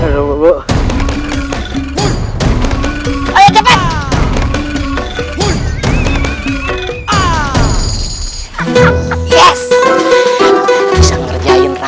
sampai jumpa di video selanjutnya